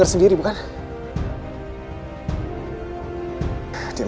adam berikan perhatian